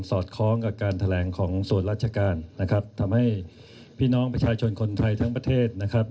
อดคล้องกับการแถลงของส่วนราชการนะครับทำให้พี่น้องประชาชนคนไทยทั้งประเทศนะครับ